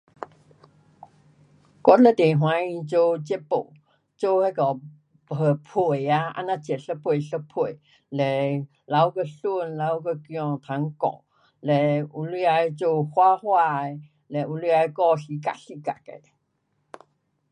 我非常欢喜做这布，做那个被啊，这样接一片一片，嘞留给孙，留给儿摊盖，有能力的剪花花的，有能力的剪四角四角的。